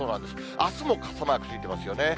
あすも傘マークついてますよね。